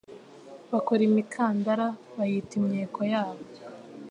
Bakora imikandara bayita imyeko yabo